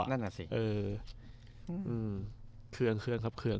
นั่นแหละสิเออเครื่องครับเครื่อง